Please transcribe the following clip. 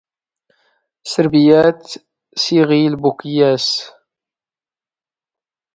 ⵙⵔⴱⵉⵢⴰⵜ ⵙ ⵉⵖⵉⵍ ⴱⵓⴽⵢⴰⵙⴰ.